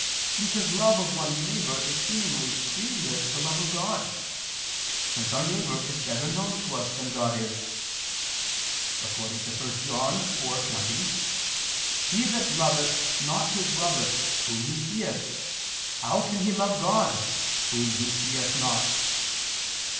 Because love of one's neighbor is seemingly previous to love of God, since our neighbor is better known to us than God is; according to 1 John 4:20: "He that loveth not his brother, whom he seeth, how can he love God, Whom he seeth not?"